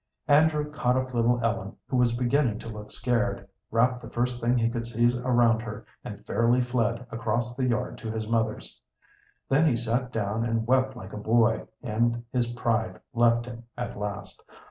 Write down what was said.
Andrew caught up little Ellen, who was beginning to look scared, wrapped the first thing he could seize around her, and fairly fled across the yard to his mother's. Then he sat down and wept like a boy, and his pride left him at last.